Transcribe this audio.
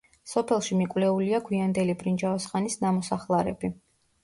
სოფელში მიკვლეულია გვიანდელი ბრინჯაოს ხანის ნამოსახლარები.